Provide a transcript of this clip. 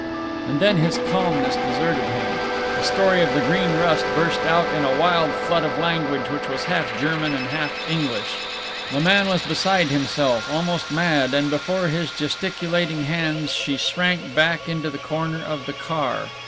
And then his calmness deserted him. The story of the Green Rust burst out in a wild flood of language which was half German and half English. The man was beside himself, almost mad, and before his gesticulating hands she shrank back into the corner of the car.